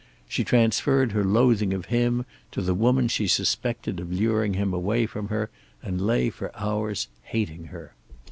She transferred her loathing of him to the woman she suspected of luring him away from her, and lay for hours hating her.